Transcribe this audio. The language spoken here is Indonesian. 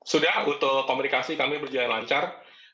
sudah untuk komunikasi kami berjalan lancar